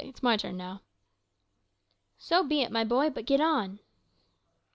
It's my turn now." "So be it, my boy. But get on."